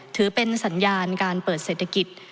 ถือเป็นสัญญาณการเปิดเศรษฐกิจ